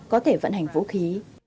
có thể vận hành vũ khí